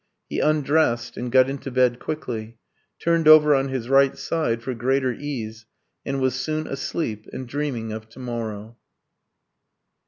He undressed and got into bed quickly, turned over on his right side for greater ease, and was soon asleep and dreaming of to morrow.